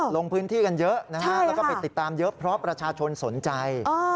ลงพื้นที่กันเยอะนะฮะแล้วก็ไปติดตามเยอะเพราะประชาชนสนใจ